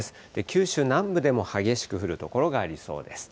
九州南部でも激しく降る所がありそうです。